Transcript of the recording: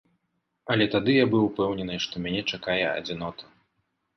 Але тады я быў упэўнены, што мяне чакае адзінота.